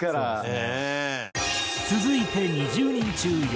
続いて２０人中４人目。